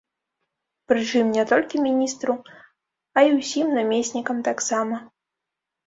Прычым, не толькі міністру, а і ўсім намеснікам таксама.